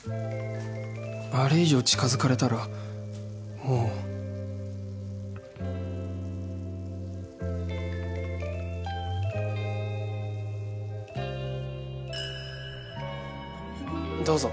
あれ以上近づかれたらもうどうぞ。